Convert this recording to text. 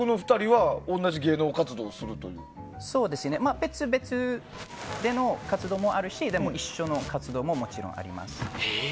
別々での活動もあるし一緒の活動も、もちろんあります。